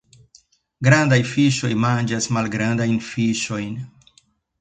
Grandaj fiŝoj manĝas malgrandajn fiŝojn.